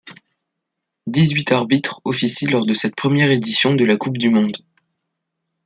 Dix-huit arbitres officient lors de cette première édition de la Coupe du monde.